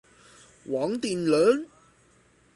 王鼎人。